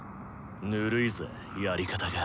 ぬるいぜやり方が。